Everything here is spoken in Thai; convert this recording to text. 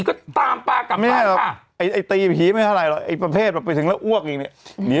ก็ตามปลากลับบ้านค่ะไอ้ตีผีไม่เท่าไหรอไอ้ประเภทแบบไปถึงแล้วอ้วกอีกเนี่ย